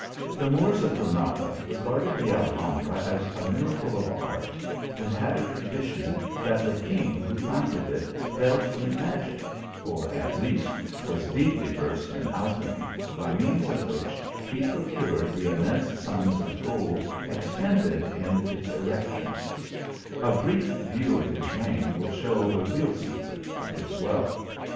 The Moors of Granada regarded the Alhambra as a miracle of art, and had a tradition that the king who founded it dealt in magic, or at least was deeply versed in alchymy, by means of which, he procured the immense sums of gold expended in its erection, A brief view of his reign will show the real secret of his wealth.